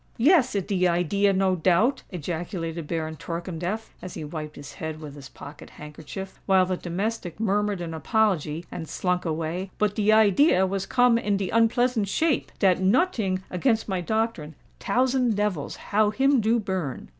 "Yes—it de idea, no doubt!" ejaculated Baron Torkemdef, as he wiped his head with his pocket handkerchief, while the domestic murmured an apology and slunk away: "but de idea was come in de unpleasant shape—dat noting against my doctrine—tousand devils, how him do burn!"